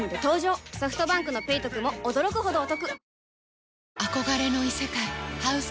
ソフトバンクの「ペイトク」も驚くほどおトク